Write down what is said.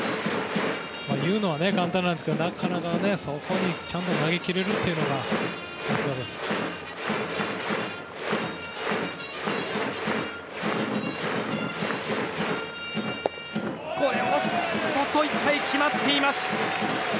言うのは簡単ですがなかなかそこにちゃんと投げきれるというのがさすがですね。